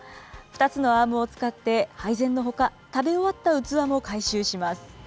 ２つのアームを使って、配膳のほか、食べ終わった器も回収します。